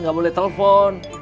gak boleh telepon